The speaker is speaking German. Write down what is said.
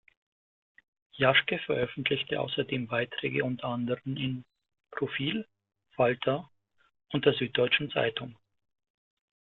Jaschke veröffentlichte außerdem Beiträge unter anderem in "profil", "Falter" und der "Süddeutschen Zeitung".